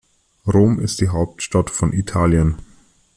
Rom ist die Hauptstadt von Italien.